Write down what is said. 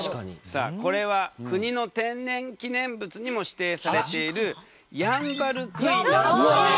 さあこれは国の天然記念物にも指定されているヤンバルクイナの羽根。